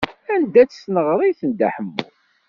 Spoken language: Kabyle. Anda-tt tneɣrit n Dda Ḥemmu?